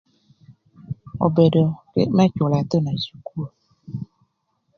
Obedo më cülö ëthïnö ï cukul.